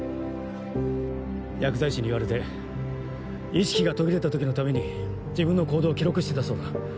薬剤師に言われて意識が途切れた時のために自分の行動を記録してたそうだ。